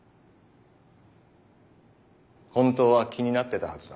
本当は気になってたはずだ。